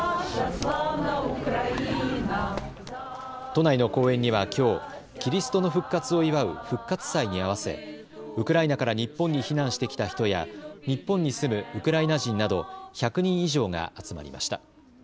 都内の公園にはきょうキリストの復活を祝う復活祭に合わせウクライナから日本に避難してきた人や日本に住むウクライナ人など１００人以上が集まりました。